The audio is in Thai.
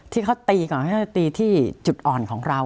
ที่เขาตีก่อนเขาจะตีที่จุดอ่อนของเรา